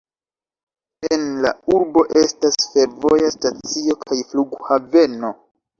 En la urbo estas fervoja stacio kaj flughaveno.